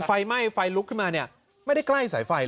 ช่ายใจอีกที